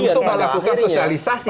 untuk melakukan sosialisasi